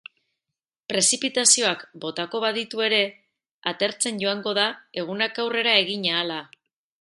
Prezipitazioak botako baditu ere, atertzen joango da egunak aurrera egin ahala.